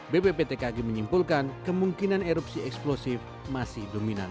bpptkg menyimpulkan kemungkinan erupsi eksplosif masih dominan